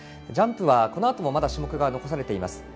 ジャンプは、このあともまだ種目が残されています。